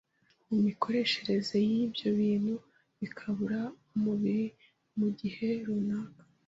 mu mikoreshereze y’ibyo bintu bikabura umubiri mu gihe runaka